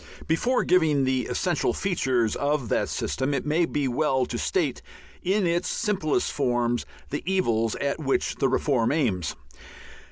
Before giving the essential features of that system, it may be well to state in its simplest form the evils at which the reform aims.